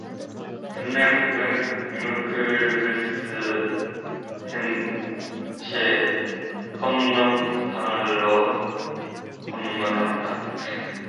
그는 물그릇을 든 채 건넌방으로 건너갔다.